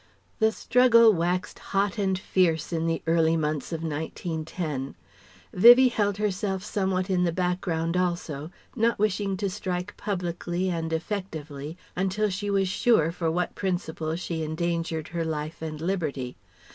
The struggle waxed hot and fierce in the early months of 1910. Vivie held herself somewhat in the background also, not wishing to strike publicly and effectively until she was sure for what principle she endangered her life and liberty.